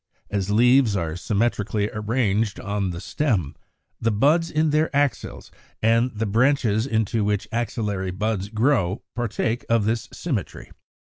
As leaves are symmetrically arranged on the stem, the buds in their axils and the branches into which axillary buds grow partake of this symmetry.